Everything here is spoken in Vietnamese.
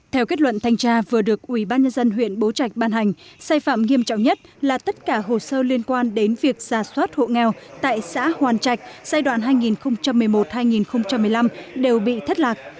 theo kết luận thanh tra vừa được ubnd huyện bố trạch ban hành sai phạm nghiêm trọng nhất là tất cả hồ sơ liên quan đến việc giả soát hộ nghèo tại xã hoàn trạch giai đoạn hai nghìn một mươi một hai nghìn một mươi năm đều bị thất lạc